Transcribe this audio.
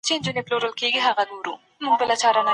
کوم شیان ټولنه اساسي بدلون ته اړ باسي؟